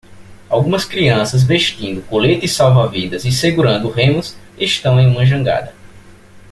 Algumas crianças vestindo coletes salva-vidas e segurando remos estão em uma jangada